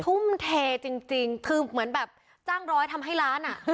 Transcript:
ทุ่มเทจริงคือเหมือนแบบจ้างร้อยทำให้ล้านอ่ะ